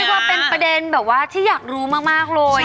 ว่าเป็นประเด็นแบบว่าที่อยากรู้มากเลย